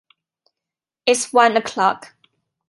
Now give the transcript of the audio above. It’s one O’clock.